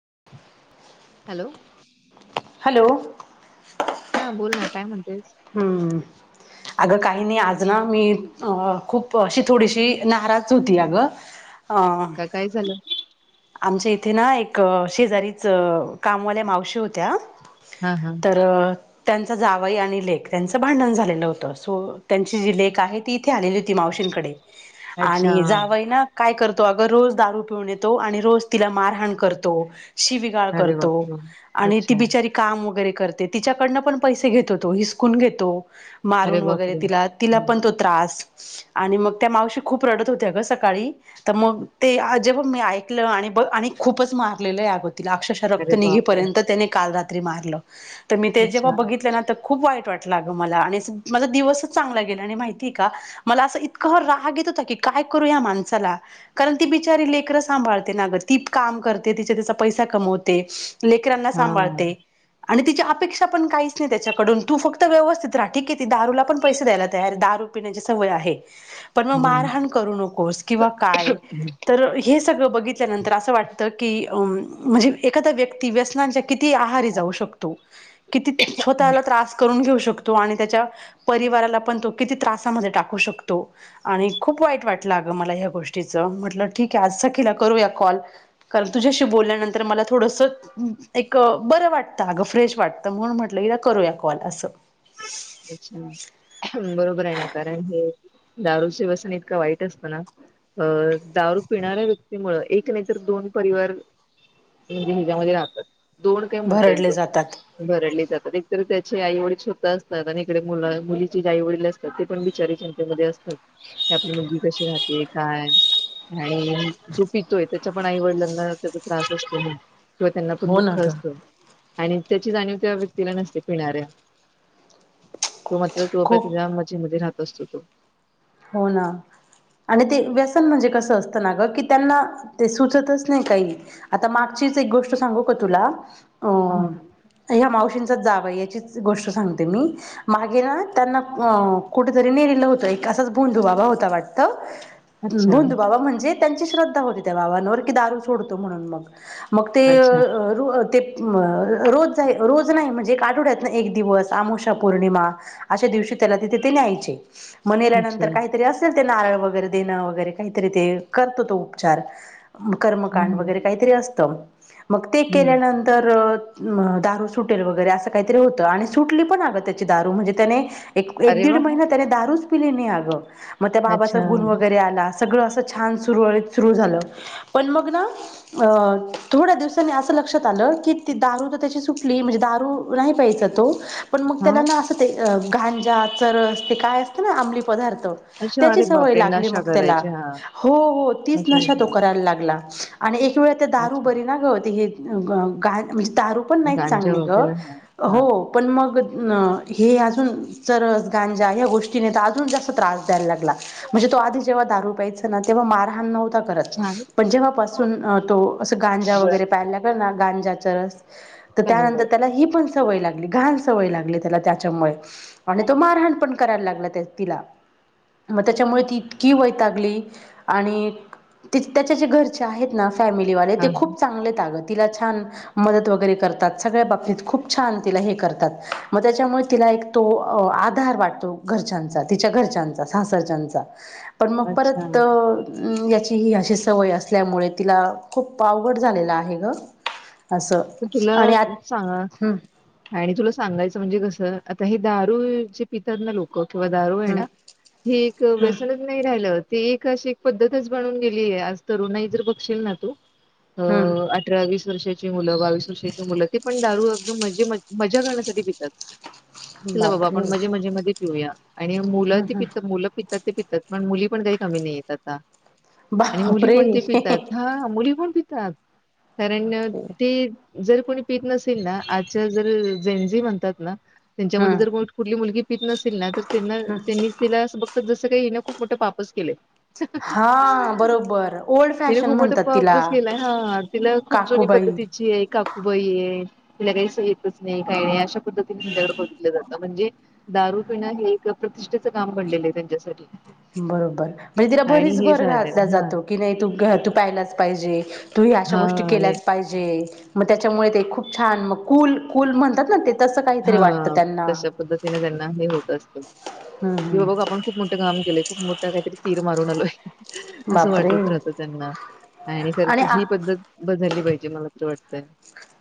[inaudible] Hello hello हा बोल ना काय म्हणतेय हम्म अगं काही नाही आज ना मी अ खूप अशी थोडीशी नाराज होती अगं अ का काय झालं आमच्या इथे ना एक शेजारीच कामवाल्या मावशी होत्या हा हा तर त्यांचा जावई आणि लेख त्यांचं भांडण झालेलं होतं सो त्यांची जी लेख आहे ती इथे आलेली होती मावशींकडे अच्छा आणि जावय ना काय करतो अग रोज दारू पिऊून येतो आणि ज तिला मारहाण करतो शिगाळ अरे करतो बापरे आणि त अच्छा बिचारी काम वगैरे ते तिच्याकडनं पण पैसे घेत होतो हिसकून घेतो अरे मारून वगैरे बापरे तिला हा, तिला पण तो त्रास आणि मग त्या मावशी खूप रडत होत्या ग सकाळी तर मग तेजे प मी ऐ आणि आणि खूपच मारलेल्या याग होतील अक्षश अरे रक्तन निघी बापरे पर्यंत त्याने काल रा मारलं ते मी जेव्हा अच्छा बघित. खप वाईट वाट मला आणि मा दिवसच चांगला गेला आणि माहितीय का मला अस इतक राग. की काय करू या माणसाला कारण ती बिचारी लेकरं सांभाळते. ती काम कर ति त्या पैसा कमवते लेकरांना हा सांभाळते. आणि तिची अपेक्षा पण काहीच नाही त्याच्याकडून तू फक्त व्यवस्थित राहा ठीक आहे ती दारूला पण पैसे द्यायला तयार दारू. पिण्याची सवय आहे. पण मग हा मारहाण करू नको किंवा काय तर हे सगळ बघी असं वाटत कि म्हणजे एखा्या व्यक्ती व्यना किती आहारी हा जाऊ शकतो क स्वतः त्रास करून घ आणि त्या परिवाराला पण तो किती त्रासामध्ये टाकू शकतो आणि खूप वाईट वाट लाग मला या गोष्टीच म्हटलं ठीक आहे आज सखी ला केला करूया. कॉल तुझ्या शी बोलल्या वर मला थोडं सएक बर वाटत फेश वाटत. तर म्हणून म्हटलं इला करूया कॉल असं. अच्छा दारू शि वसन इतका वाईट असतो ना. अ दारू पिणाऱ्या व्यक्तीमुळ एक नाही तर दोन परिवार. हजे हिजामध्ये राहतात. दोन काय म्हणत एक भरडले जातात दोन भरडले जातात एकत त्याचे आई वडील स्वतःचं. आणि इकडे मु मुलीचे आई वडील असतात ते पण बिचारी चिंतेत असतात. की आपली मुलगी कशी राहते काय. आणि जो पितोय त्याच्या पण. आई-वडीलांना त्याचा त्रास असतो. किंवा त्यांना पण हो ना दुःख ग असतं आणि त्याची जाणीव त्या व्यक्तीला नसते पिणाऱ्या. तो मात्र तो आपल्या खूप तेच्या मजेमध्ये राहत असतो तो. हो ना. आणि ते व्यसन म्हणजे कसं असतं ना ग. की त्यांना ते सुचतच नाही काही आता मागच्या. तीच एक गोष्ट सांगू काय तुला. आ हा हा तर या मावशीच. आता जावयाचीच गोष्ट सांगते मी. मागे ना त्यांना कुठेतरी नेलं होत. असच भोंदू बाबा हो ता वाटत. अच्छा भोंदू बाबा म्हणजे त्यांची श्रद्धा होती. त्या बाबांवर कि दारू सोडतो म्हणून मग. मग ते अच्छा रोज. रोज नाही. म्हणजे एक आठवड्यातून एक दिवस. अमावस्या. पौर्णिमा. अशा दिवशी. तेला ते तिथे न्यायचे. मग अच्छा नेल्यानंतर काहीतरी असेल ते नारळ वगैरे देणं वगैरे काहीतरी ते करतो तो उपचार. कर्मकांड हम्म हम्म वगैरे काहीतरी असतं मग ते हम्म केल्यानंतर. अ दारू सुटेल वगैरे असं काहीतरी होतं. आणि सुटली पण अग त्याचे दारू म्हणजे त्याने. एक-एक अरे दीड वा महिना त्याने दारूच पिली नाही अग. मग त्या बाबाचा अच्छा गुण वगैरे आला. सगळ अस छान सुरळीत सुरू झाल. पण मग थोड्या दिवसांनी अस. लक्षात आलं की. दारू तर त्या सुटली. म्हणजे दारू नाही प्यायचा तो. पण मग हा त्याला ना. असं ते गांजा. चरस. ते काय असतं ना आंमली पदार्थ. अच्छा त्याची अरे सवय बापरे! लागली. नशा मग त्याला. करायचे हां. हो हो तीच अच्छा, नशा तो अच्छा, करायला लागला. आणि एक वेळ त्या दारू अच्छा. बरी ना ग. ते गा [inaudible] दारू पण नाही गांजा चांगली ग. वगैरे हां, हां. हो पण मग. अ हे अजून चरस. गांजा. या गोष्टी. केल्यात अजून जास्त त्रास द्यायला लागला. म्हणजे तो आधी जेव्हा दारू प्यायचा तेव्हा मारहाण नव्हता करत. छान. करत पण जेव्हापासून तो अस गांजा. गोळ्या, वगैरे पायाला लागला ना. गांजाचा. चरस. तर कमी त्यानंतर गोड. त्याला ही पण. सवय लागली. घाण सवय लागली त्याला त्याच्यामुळे. आणि तो मारहाण पण करायला लागला. तर तिला मग त्याच्यामुळे ती इतकी वैतागली लागली आणि. त्याच्या जे घरचे आहेत ना. फॅमिलीवाले हां, ते खूप चांगले आहेत आग. तिला छान मदत वगैरे करतात. सगळया बाबतीत खूप छान त हे करतात. म त्याच्यामुळेच तीला हे. तो आधार वाटतो घरच्याचा. तिच्या घरच्यांचा. सासरच्यांचा पण मग अच्छा. परत याची ही अशी सवय असल्यामुळे. तिला खूप आवड झालेला आहे ग. असं तुला आणि आ सांग. हम्म आणि तुला सांगायचं म्हणजे कस. आता हे दारू जे पितात ना लोक. किंवा दारू आहे हम्म ना. हे एक हम्म व्यसनच नाही राहिलं. ते एक अशी एक पद्धतच बनून गेली आहे. आज तरुणाई जर बघशील ना तू. अ हम्म अठरा वीस वर्षाची. मुलं बावीस वर्षाचे मुल. ते पण दारूआगदी मजे मजा करण्यासाठी पितात. चला बाबा बापरे आपण मजे-मजे मध्ये पिऊया. आणि मुलं हम्म ती हम्म पित मुलं पित. ते पितात पण मुली पण काही कमी नाही आहेत आता. आणि मुली पण ते पितात. बापरे हा मुली पण पितात. कारण ते जर कोणी पित नसेल ना. आजच्या जर. जेंजी म्हणतात ना, हम्म त्यांच्यामध्ये जर कुठली मुलगी पित नसेल ना तर त्यांना हम्म त्यांनी तिला असं बघ जसं काही हिनं खूप मोठं पापच केलंय. हा बरोबर ओल्ड तिने फॅशन खूप मोठं म्हणतात तिला पापच केलंय, हा तिला खूप जुनी पद् काकूबाई तिची हाय. काकूबाई हाय, तिला काही स येतच नाही काही नाही अशा पद्धतीने तिच्याकडं बघितलं जातं, म्हणजे दारू पिणं हे एक प्रतिष्ठेचं काम बनलेलं आहे त्यांच्यासाठी. बरोबर, म्हणजे तिला आणि भरीच हे भर झालं घातला हा जातो, की नाही तू तू प्यायलाच पाहिजे, तू ही अ शा हा गोष्टी आणि केल्याच पाहिजे, मग त्याच्यामुळे ते खूप छान मग कुल -कुल म्हणतात ना ते तसं काहीतरी हा वाटतं त्यांना तशा पद्धतीने त्यांना हे होत असत क बा बघ हम्म आपण खूप मोठं काम केलंय खूप मोठं काहीतरी तीर मारून आलोय असं बापरे वाटत राहत त्यांना आणि खरच ही पद्धत बदलली पाहिजे े मला ते वाटतंय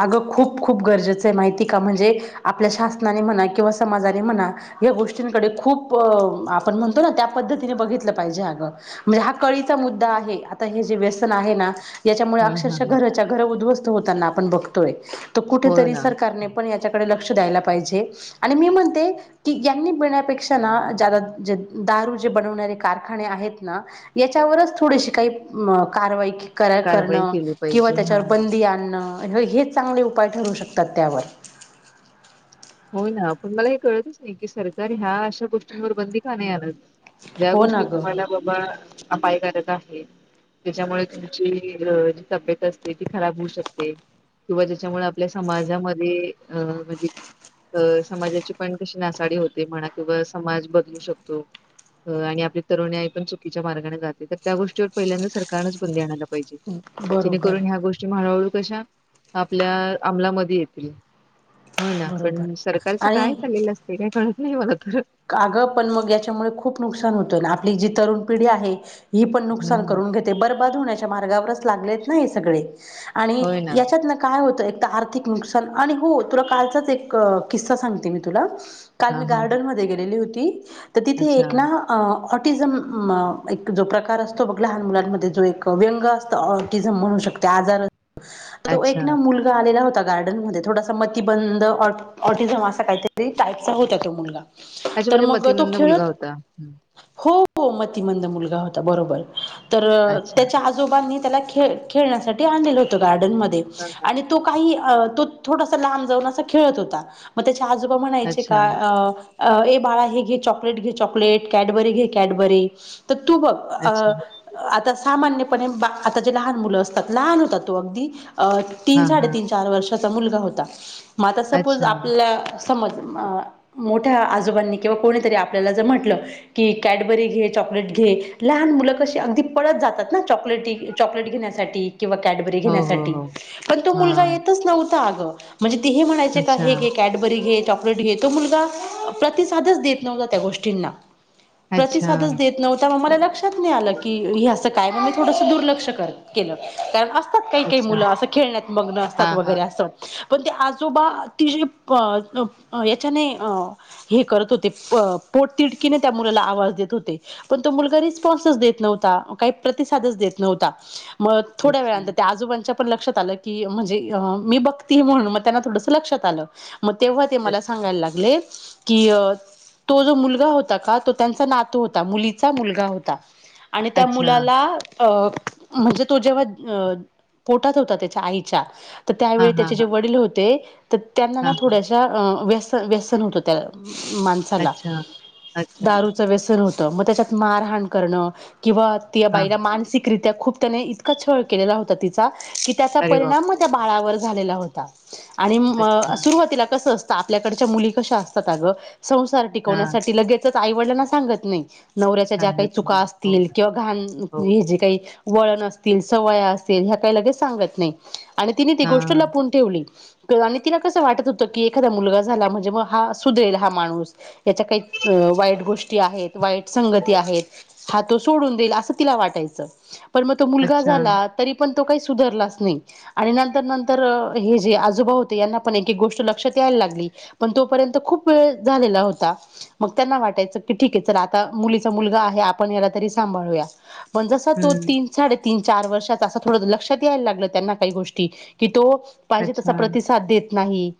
अगं खूप खूप गरजेचं आहे माहिती का म्हणजे आपल्या शासनाने म्हणा किंवा समाजाने म्हणा या गोष्टींकडे खूप आपण म्हणतो ना त्या पद्धतीने बघितलं पाहिजे अगं म्हणजे हा कळी मुद्दा आहे आता हे जे व्यसन आहे ना याच्यामुळे हा हा अक्षरशः हा घराच्या घर उद्ध्वस्त होताना आपण बघतोय तर हो कुठेतरी ना सरकारने पण याच्याकडे लक्ष मी म्हण कण्यापेक्षा कार याच्यावरच थो काही कार करण कारवाई केली किंवा पाहिजे त्याच्यावर हा बंदी आणणं हेच चांगले उपाय ठरू शकतात त्यावर आपण मला हे कळतच नाही की सरकार ह्या अशा गोष्टींवर बंदी खाणे आ ज्या हो ना गोष्टी ग तुम्हाला बाबा अपाय करता त्याच्यामुळे तुमची जी तब्येत असते ती खराब होऊ शकते किंवा ज्याच्यामुळे आपल्या समाजामध्ये अ म्हणजे अ समाजाची पण कशी नासाडी होते म्हणा किंवा समाज बदलू शकतो आणि आपल्या तरुणीई पण चुकीच्या मार्गाने जाते तर त्या गोष्टीवर पहिल्यांदाच सरकारनेच बंदी आणायला बरोबर जेणेकरून ह्या गोष्टी मळू कशा आपल्या अमलामध्ये येतील हो ना बरोबर पण सरकारच काय चाललेलं असते काय कळत नाही मला तर कागं पण मग याच्यामुळे खूप नुकसान होतंय आपली जी तरुण पिढी आहे ही पण नुकसान हम्म, करून घेते बर्बाद होण्याच्या मार्गावरच लागलेत ना हे सगळे आणि याच्यात ना काय होत आर्थिक नुकसान आणि हो तुला कालचाच एक किस्सा सांगते मी तुला काल मी हां, हां, हां. गार्डन म गेलेली होती तर तिथे अच्छा, एक ना िझम एक जो प्रकार असतो बघ लहान मुलांमध्ये जो एक व्यंग असतो ऑटिझम म्हणू शकते आजार अस आता अच्छा. एक ना मुलगा आलेला होता गार्डन मध्ये थोडासा मतीिबंद ऑटिझम असा काहीतरी टाईपचा होता तो मुलगा अच्छा तर म्हणजे मग तो मतिमंद मुलगा खेळत होता. हं. हो हो मतिमंद मुलगा होता बरोबर तर अच्छा. त्याच्या आजोबांनी त्याला खेळ- खेळण्यासाठी आणलेल होत गार्डन मध्ये हां, हां. आणि तो काही तो थोडासा लांब जाऊन अस खेळत होता मग त्याच्या आजोबा म्हणायचे अच्छा, का बाळा हे घे चॉकलेट घे चॉकलेट कॅटबरी घे कॅडबरी तर तू बघ अच्छा. आता सामान्य [unintelligible] आता जे लहान मुल असतात लहान होतात तो अगदी तीन हां, साडे हां. तीन चार वर्ष मुलगा होता मग आता सपोज अच्छा. आपल्या समोर अं मोठ त्या आजोबांनी किंवा कोणीतरी आपल्याला म्हटलं जर की कॅटबरी घे चॉकलेट घे लहान मुल अशी अगदी पळत जातात न चॉकलेट घेण्यासाठी किंवा कॅडबरी हो, हो, घेण्यासाठी हो. पण तो मुलगा हां. येतच नव्ह आ ग म्हणजे ते हे म्हणायच का अच्छा, हे घे कॅडबरी घे चॉकलेट घे तो मुलगा प्रतिसादच देत नव्हता त्या गोष्टींना अच्छा, प्रतिसादच देत नव्हता मग मला लक्षात आलं की अस काय म्हणजे थोडसं दुर्लक्ष केल कारण असतात काही काही अच्छा. मुलं अस खेळण्यात मग्न असतात हां, हां. वगैरे असं पण ते आजोबा ति जे जो याच्याने हे करत होते पोट तिडकीने त्या मुला आवाज देत होते पण तो मुलगा रिस्पॉन्सच देत प्रतिसादेत नव्हता मग थोड्या अच्छा, वेळात त्या आजोबांच्या - पण लक्षात आलं की म्हणजे मी बघती म्हणून मग त्यांला थोडसं लक्षात आलं मग तेव्हा ते मला अच्छा, सांगायला लागले. कि अ तो जो मुलगा होता का तो त्यांचा नातु होता मुलीचा मुलगा होता. आणि त्या अच्छा. मुलाला अ म्हणजे तो जेव्हा पोटात होता त्याच्या आईच्या तर हां, त्यावेळी हां, त्याचे जे हां. वडील होते तर त्यांना ना हां, हां. थोड्याशा व्यस -व्यसन होतं त्याला माणसाला अच्छा, अच्छा. दारूच व्यसन होत. मग त्याच्यात मारहाण करण किंवा त्या हां, बाईला हां. मानसिकरित्या खूप त्याने इतका छळ केलेला होता तिचा कि त्याचा अरे परिणाम मग बापरे! त्या बाळावर झालेला होता आणि अच्छा. सुरुवातीला कसं असत आपल्याकडच्या मुली कशा असतात अगं संसार हां, टिकवण्यासाठी लगेचच आईवडलांना सांगत नाही नवऱ्याच्या ज्या काही सांगत चुका नाही. हो असतील ना. किंवा घाण हो, हे जे हो. काही वळण सवय असतील ह्य काय लगेच सांगत नाही आणि तिने ती गोष्ट हां. लपून ठेवली आणि तिला कसं वाटत होतं की एखादा मुलगा झाला म्हणजे मग हा सुधरेल हा माणूस याच्या काही वाईट गोष्टी आहेत, वाईट संगती आहेत ह तो सोडून देईल अस तिला वाटायच पण मग तो मुलगा अच्छा. झाला तरी पण तो काही सुधरलाच नाही आणि नंतर नंतर हे जे आजोबा होते यांना पण गोष्ट लक्षात यायला लागली पण तो पर्यंत खुप वेळ झालेला होता मग त्यांना वाटायचं ठीक चला आता मुलीचा मुलगा आपण याला तरी सांभाळुया पण जसा तो हं. तीन साडेतीन चार वर्षातचा असं थोडं लक्षात यायला लागलं त्यांना काही गोष्टी की तो पाहिजे तसा अच्छा, प्रतिसाद देत नाही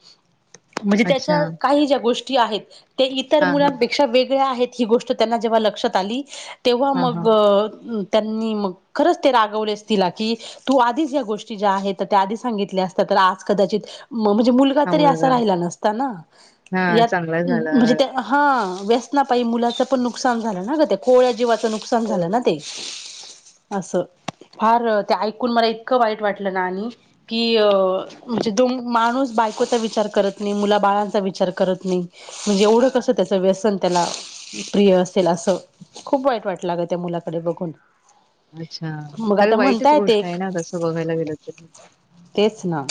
म्हणजे अच्छा. त्याच्या काही ज्या गोष्टी आहेत ते इतर हां, हां, हां. मुलांपेक्षा वेगळ्या आहेत ही गोष्ट त्यांना जेव्हा लक्षात आली. तेव्हा हां, हां. मग त्यांनी मग खरंच ते रागवलेस तिला की तू आधीच या गोष्टी ज्या आहेत त्या आधी सांगितल्या असत्या तर आज कदाचित म्हणजे मुलगा तरी असा राहिला नसता ना. हा यात चांगला झाला. म्हणजे त्या हा व्यसना पायी मुलाच पण नुकसान झालं ना ग कोवल्या जीवाच नुकसान झालं ना ते अससं फार ते ऐकून मला इतकं वाईट वाटलं ना आणि की अ म्हणजे दोन माणूस बायको चा विचार करत नाही मुलाबाळाचा विचार करत नाही म्हणजे एवढं कस त्याच व्यसन त्याला प्रिय असेल असं खूप वाईट वाटलय अग त्या मुलाकडे बघून अच्छा मग खरे आता वाईटच म्हणताय ते गोष्ट एक आहे ना कसं बघायला गेलं तर. तेच ना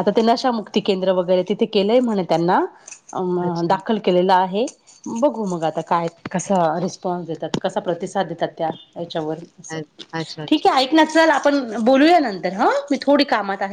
आता ते नशामुक्ती केंद्र वगैरे तिथे केलंय म्हणे त्यांना. अ अच्छा दाखल केलेला आहे. बघू मग आता काय कसा रिस्पॉन्स देतात. कसा प्रतिसाद देतात त्या च्या वर कसं. अच्छा अच्छा ठीक ऐ आपण बोलूया नंतर मी थोडी कामात आहे.